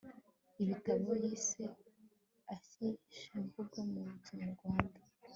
ibitabo yise 'ikeshamvugo' mu kinyarwanda